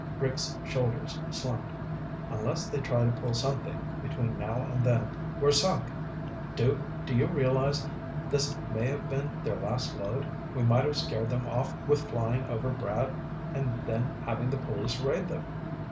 Rick's shoulders slumped. "Unless they try to pull something between now and then, we're sunk. Duke, do you realize this may have been their last load? We might have scared them off with flying over Brad and then having the police raid them."